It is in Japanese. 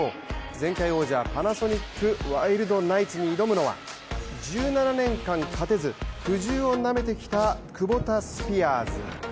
前回王者、パナソニックワイルドナイツに挑むのは１７年間勝てず、苦汁をなめてきたクボタスピアーズ。